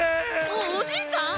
おおじいちゃん？